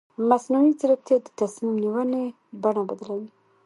مصنوعي ځیرکتیا د تصمیم نیونې بڼه بدلوي.